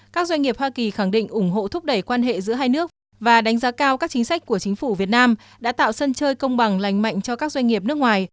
các doanh nghiệp hoa kỳ khẳng định ủng hộ thúc đẩy quan hệ giữa hai nước và đánh giá cao các chính sách của chính phủ việt nam đã tạo sân chơi công bằng lành mạnh cho các doanh nghiệp nước ngoài